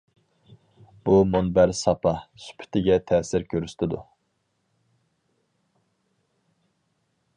بۇ مۇنبەر ساپا، سۈپىتىگە تەسىر كۆرسىتىدۇ.